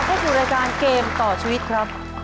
เข้าสู่รายการเกมต่อชีวิตครับ